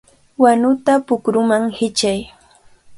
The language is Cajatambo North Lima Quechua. ¡Wanuta pukruman hichay!